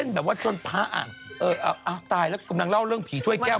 แบบว่าจนพระอ่ะเออเอาตายแล้วกำลังเล่าเรื่องผีถ้วยแก้ว